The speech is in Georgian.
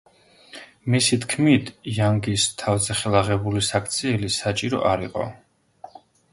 მისი თქმით იანგის თავზეხელაღებული საქციელი საჭირო არ იყო.